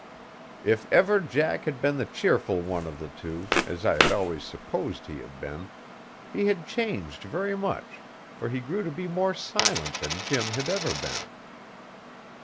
If ever Jack had been the cheerful one of the two, as I had always supposed he had been, he had changed very much, for he grew to be more silent than Jim had ever been.